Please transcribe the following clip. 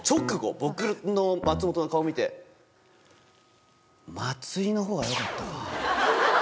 僕と松本の顔見て「松井のほうがよかったな」。